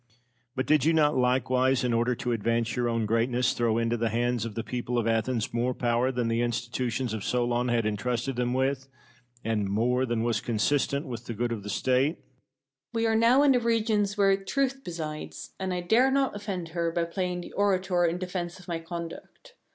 But did not you likewise, in order to advance your own greatness, throw into the hands of the people of Athens more power than the institutions of Solon had entrusted them with, and more than was consistent with the good of the State? Pericles. We are now in the regions where Truth presides, and I dare not offend her by playing the orator in defence of my conduct.